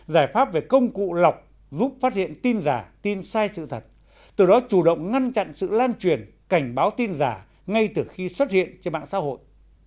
giải pháp về công cụ lọc giúp phát hiện tin giả tin sai sự thật từ đó chủ động ngăn chặn sự lan truyền cảnh báo tin giả ngay từ khi xuất hiện trên mạng xã hội